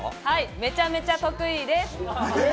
めちゃめちゃ得意です！